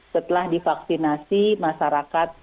setelah divaksinasi masyarakat